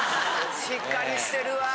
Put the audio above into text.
しっかりしてるわ。